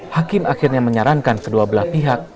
hakim akhirnya menyarankan kedua belah pihak